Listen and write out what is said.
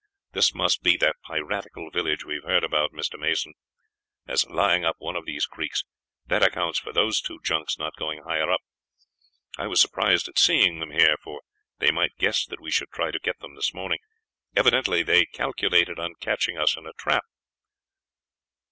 This must be that piratical village we have heard about, Mr. Mason, as lying up one of these creeks; that accounts for those two junks not going higher up. I was surprised at seeing them here, for they might guess that we should try to get them this morning. Evidently they calculated on catching us in a trap."